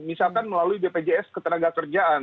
misalkan melalui bpjs ketenagakerjaan